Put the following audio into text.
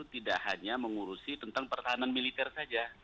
tidak hanya mengurusi tentang pertahanan militer saja